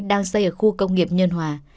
đang xây ở khu công nghiệp nhân hòa